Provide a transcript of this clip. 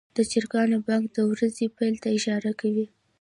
د چرګانو بانګ د ورځې پیل ته اشاره کوي.